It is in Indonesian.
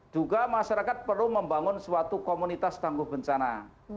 juga masyarakat perlu membangun suatu komunitas tangguh bencana